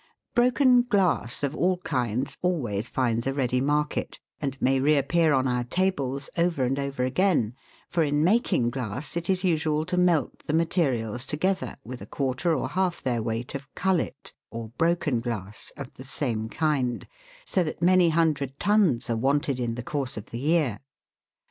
Broken glass of all kinds always finds a ready market, and may re appear on our tables over and over again, for in making glass it is usual to melt the materials together with a quarter or half their weight of " cullet," or broken glass, of the same kind, so that many hundred tons are wanted in the course of the year.